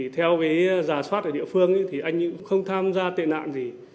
theo với giả soát ở địa phương thì anh ấy không tham gia tệ nạn gì